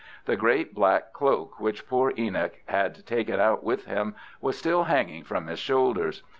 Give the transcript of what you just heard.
The great black cloak which poor Enoch had taken out with him was still hanging from his shoulders.